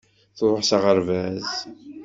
Truḥ s aɣerbaz.